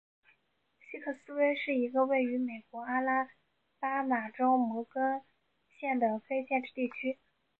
西克斯威是一个位于美国阿拉巴马州摩根县的非建制地区。